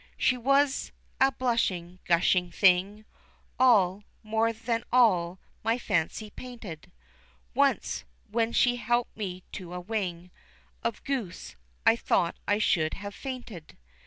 She was a blushing, gushing thing; All more than all my fancy painted; Once when she helped me to a wing Of goose I thought I should have fainted.